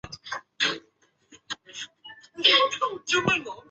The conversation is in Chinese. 该堂以真十字架命名。